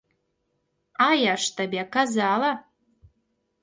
А я ж табе казала.